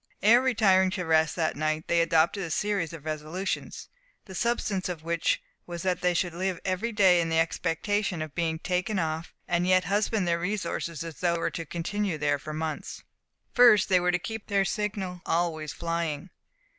Ere retiring to rest that night they adopted a series of resolutions, the substance of which was that they should live every day in the expectation of being taken off, and yet husband their resources, as though they were to continue there for months. 1st. They were to keep their signal always flying.